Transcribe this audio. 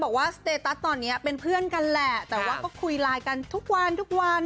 สเตตัสตอนนี้เป็นเพื่อนกันแหละแต่ว่าก็คุยไลน์กันทุกวันทุกวัน